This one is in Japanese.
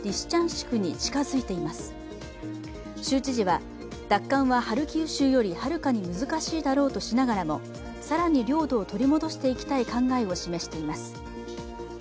州知事は、奪還はハルキウ州よりはるかに難しいだろうとしながらも更に領土を取り戻していきたい考えを示しています。